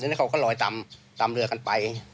นี่เขาก็ลอยตามเรือกันไป